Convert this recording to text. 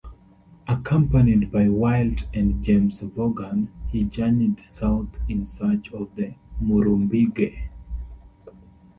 Accompanied by Wild and James Vaughan, he journeyed south in search of the Murrumbidgee.